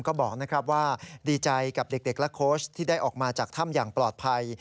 ก็บอกนะครับว่าดีใจกับเด็กและโค้ชที่ได้ออกมาจากถ้ำอย่างปลอดภัย